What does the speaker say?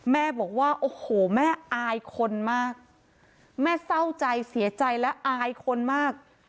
แม่บอกว่าโอ้โหแม่อายคนมากแม่เศร้าใจเสียใจและอายคนมาก